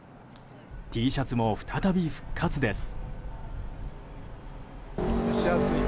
Ｔシャツも再び復活です。